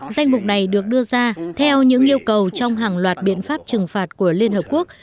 danh mục này được đưa ra theo những yêu cầu trong hàng loạt biện pháp trừng phạt của liên hợp quốc